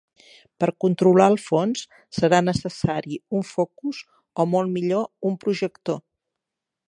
Per controlar el fons serà necessari un focus o molt millor un projector.